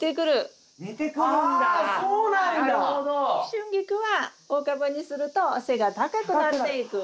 シュンギクは大株にすると背が高くなっていく。